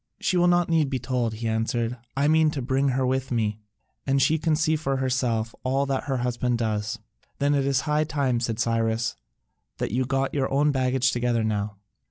"She will not need to be told," he answered, "I mean to bring her with me, and she can see for herself all that her husband does." "Then it is high time," said Cyrus, "that you got your own baggage together now."